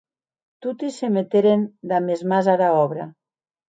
Toti se meteren damb es mans ara òbra.